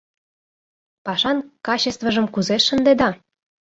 Пашан качествыжым кузе шындеда?